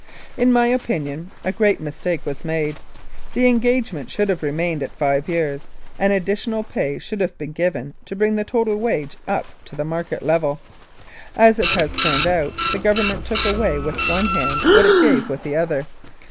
In my opinion a great mis take was made. The engagement should have remained at five years, and additional pay should have been given to bring the total wage up to the market level. As it has turned out, the Government took away with one hand what it gave with the other.